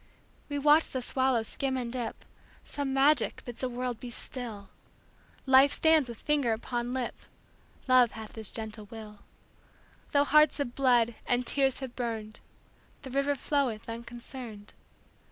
We watch the swallow skim and dip; Some magic bids the world be still; Life stands with finger upon lip; Love hath his gentle will; Though hearts have bled, and tears have burned, The river floweth unconcerned.